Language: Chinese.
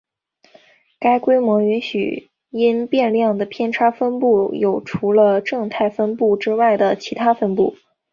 该模型允许因变量的偏差分布有除了正态分布之外的其它分布。